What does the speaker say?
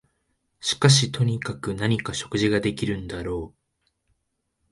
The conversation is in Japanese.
しかしとにかく何か食事ができるんだろう